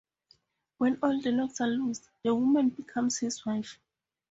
When all the knots are loosed, the woman becomes his wife.